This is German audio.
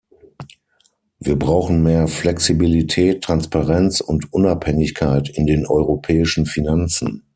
Wir brauchen mehr Flexibilität, Transparenz und Unabhängigkeit in den europäischen Finanzen.